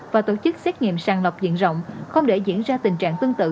và tổ chức xét nghiệm sàng lọc diện rộng không để diễn ra tình trạng tương tự